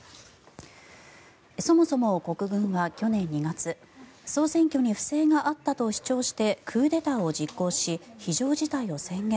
そもそも国軍は去年２月総選挙に不正があったと主張してクーデターを実行し非常事態を宣言。